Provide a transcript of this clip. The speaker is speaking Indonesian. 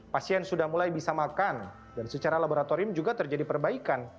pasien sudah mulai bisa makan dan secara laboratorium juga terjadi perbaikan